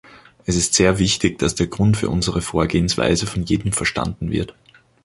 Es ist sehr wichtig, dass der Grund für unsere Vorgehensweise von jedem verstanden wird.